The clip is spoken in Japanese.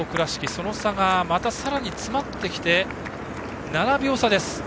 その差がまたさらに詰まってきて７秒差です。